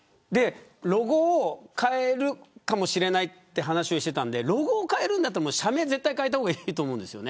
ロゴを変えるかもしれないという話をしていたんでロゴを変えるんだったら社名を絶対変えた方がいいと思うんです。